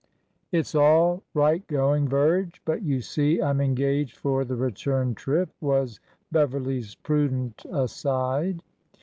"" It 's all right going, Virge ; but you see I 'm engaged for the return trip," was Beverly's prudent aside.